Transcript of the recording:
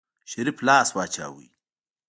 شريف لاس واچوه.